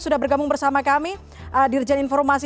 sudah bergabung bersama kami dirjen informasi